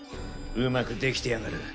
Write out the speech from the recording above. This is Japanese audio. うまくできてやがる。